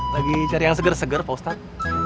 lagi cari yang seger seger faustan